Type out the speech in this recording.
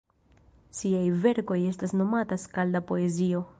Siaj verkoj estas nomata skalda-poezio.